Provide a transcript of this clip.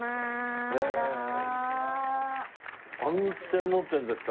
あんみつ専門店ですか。